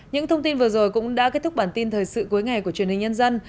những thông tin vừa rồi cũng đã kết thúc bản tin thời sự cuối ngày của truyền hình nhân dân